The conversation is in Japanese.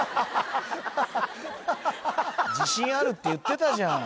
自信あるって言ってたじゃん